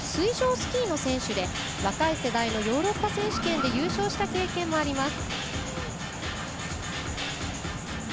スキーの選手で若い世代のヨーロッパ選手権で優勝した経験もあります。